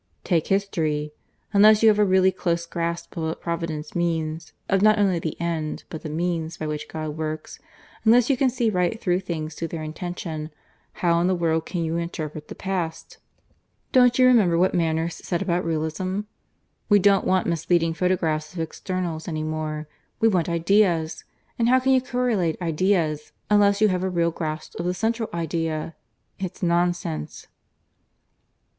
Take history. Unless you have a really close grasp of what Providence means of not only the End, but the Means by which God works; unless you can see right through things to their Intention, how in the world can you interpret the past? Don't you remember what Manners said about Realism? We don't want misleading photographs of externals any more. We want Ideas. And how can you correlate Ideas, unless you have a real grasp of the Central Idea? It's nonsense."